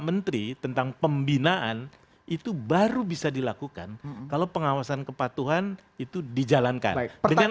menteri tentang pembinaan itu baru bisa dilakukan kalau pengawasan kepatuhan itu dijalankan dengan